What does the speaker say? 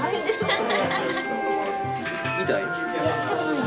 痛い？